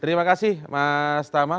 terima kasih mas tama